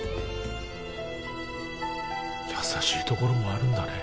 優しいところもあるんだね。